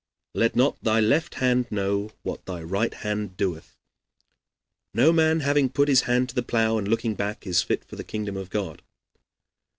"Let not thy left hand know what they right hand doeth." "No man having put his hand to the plow and looking back is fit for the Kingdom of God."